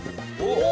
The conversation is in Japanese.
お！